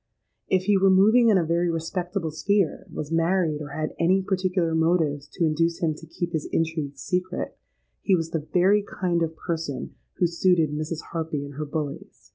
If he were moving in a very respectable sphere, was married, or had any particular motives to induce him to keep his intrigue secret, he was the very kind of person who suited Mrs. Harpy and her bullies.